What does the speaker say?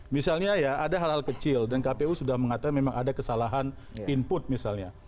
misalnya ya ada hal hal kecil dan kpu sudah mengatakan memang ada kesalahan input misalnya